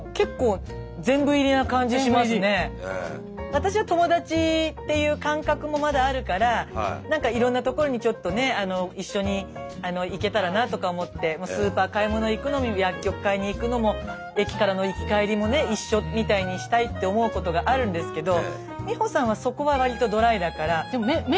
私は友達っていう感覚もまだあるからいろんなところにちょっとね一緒に行けたらなとか思ってスーパー買い物行くのも薬局買いに行くのも駅からの行き帰りもね一緒みたいにしたいって思うことがあるんですけど美穂さんはそこは割とドライだから。